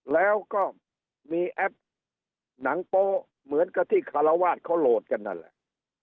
แล้วก็มีแอปหนังโป๊เหมือนกับที่คารวาสเขาโหลดกันนั่นแหละ